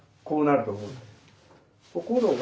こうなると思う。